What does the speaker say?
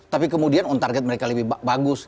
tapi kemudian on target mereka lebih bagus